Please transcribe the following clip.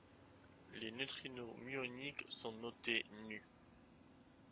Les neutrinos muoniques sont notés ν.